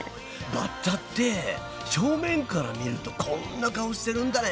バッタって正面から見るとこんな顔してるんだね。